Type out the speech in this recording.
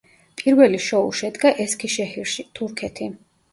პირველი შოუ შედგა ესქიშეჰირში, თურქეთი.